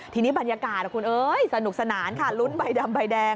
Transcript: ทีนี้บรรยากาศคุณเอ้ยสนุกสนานค่ะลุ้นใบดำใบแดง